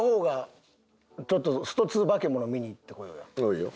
いいよ。